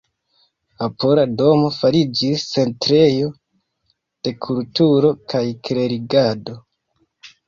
La Pola domo fariĝis centrejo de kulturo kaj klerigado.